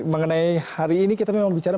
mengenai hari ini kita memang bicara